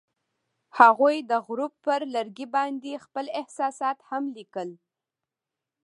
هغوی د غروب پر لرګي باندې خپل احساسات هم لیکل.